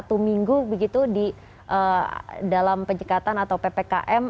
sejak beberapa minggu begitu di dalam penyekatan atau ppkm